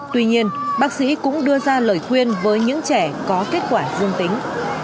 tuy nhiên bác sĩ cũng đưa ra lời khuyên với những trẻ có kết quả dương tính